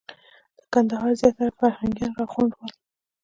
د کندهار زیاتره فرهنګیان راغونډ ول.